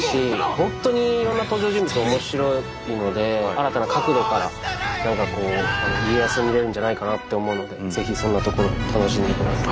本当にいろんな登場人物面白いので新たな角度から何かこう家康を見れるんじゃないかなって思うのでぜひそんなところを楽しんでください。